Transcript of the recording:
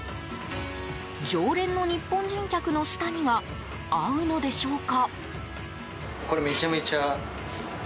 常連の日本人客の舌には合うのでしょうか？